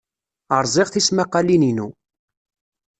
Rẓiɣ tismaqqalin-inu.